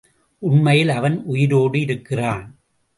உண்மையில் அவன் உயிரோடு இருக்கிறான்.